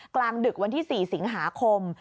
กลางดึกวันที่๔สิงหาคม